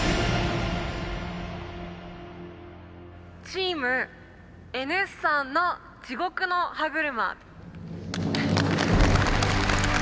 チームＮ産の地獄の歯車。